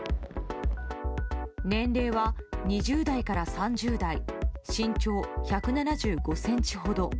年齢は２０代から３０代身長１７５ｃｍほど。